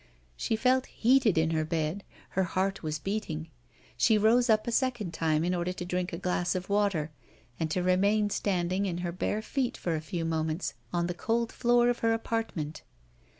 She felt heated in her bed; her heart was beating. She rose up a second time in order to drink a glass of water, and to remain standing in her bare feet for a few moments on the cold floor of her apartment.